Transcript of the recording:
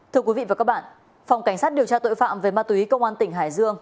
thưa quý vị và các bạn phòng cảnh sát điều tra tội phạm về ma túy công an tỉnh hải dương